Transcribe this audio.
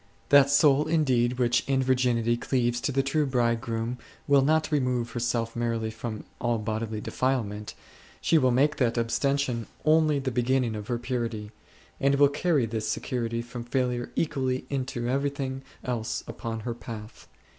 That soul indeed which in virginity cleaves to the true Bridegroom will not remove herself merely from all bodily defilement ; she will make that abs tension only the beginning of her purity, and will carry this security from failure equally into everything else upon her path.